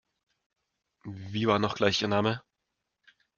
Wie war noch gleich Ihr Name?